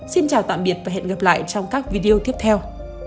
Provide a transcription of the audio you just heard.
xin chào tạm biệt và hẹn gặp lại trong các video tiếp theo